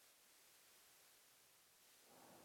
Además, el resto del equipo Cofidis decidió abandonar.